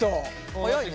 早いね。